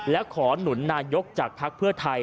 และขอหนุนนายกจากภักดิ์เพื่อไทย